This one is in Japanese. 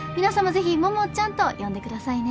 ぜひ「桃ちゃん」と呼んでくださいね。